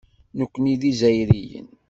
Nekkni d Izzayriyen.